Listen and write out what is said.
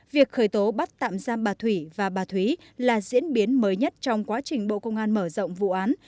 việc khởi tố bắt tạm giam bà thủy và bà thúy là diễn biến mới nhất trong quá trình bộ công an mở rộng vụ án